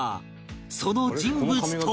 その人物とは